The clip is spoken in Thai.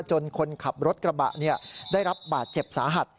คนขับรถกระบะได้รับบาดเจ็บสาหัส